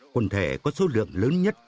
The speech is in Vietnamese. quần thể có số lượng lớn nhất